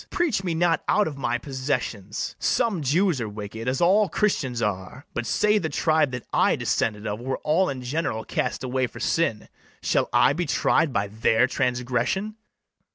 Preach me not out of my possessions. Some Jews are wicked, as all Christians are: But say the tribe that I descended of Were all in general cast away for sin, Shall I be tried by their transgression?